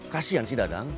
kasian si dadang